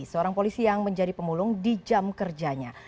seorang polisi yang menjadi pemulung di jam kerjanya